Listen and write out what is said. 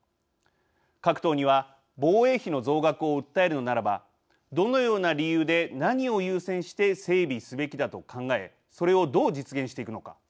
各党には、防衛費の増額を訴えるのならばどのような理由で、何を優先して整備すべきだと考えそれをどう実現していくのか。